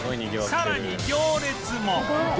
さらに行列も